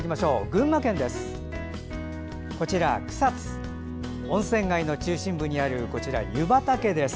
群馬県です。